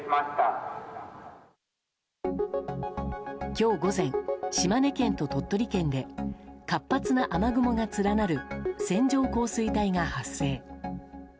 今日午前、島根県と鳥取県で活発な雨雲が連なる線状降水帯が発生。